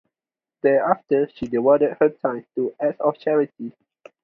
Thereafter she devoted her time to acts of charity.